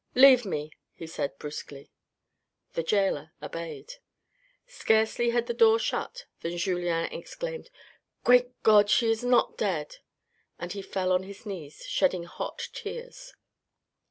" Leave me," he said brusquely. The gaoler obeyed. Scarcely had the door shut, than Julien exclaimed :" Great God, she is not dead," and he fell on his knees, shedding hot tears.